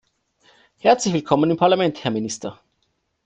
Herzlich willkommen im Parlament, Herr Minister.